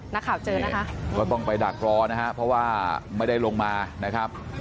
นักข่าวเจอนะคะก็ต้องไปดักรอนะฮะเพราะว่าไม่ได้ลงมานะครับ